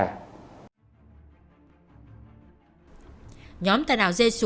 nhóm tàn ảo dê xùa do đối tượng david ho tên thật là ho chất dùng người mông gốc lào